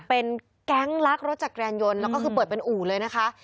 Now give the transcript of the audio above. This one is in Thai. เป็นแก๊งลักรถจักรยานยนต์แล้วก็คือเปิดเป็นอู่เลยนะคะ